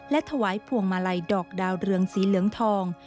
ถวายพวงมาลัยดอกดาวเรืองสีเหลืองทอง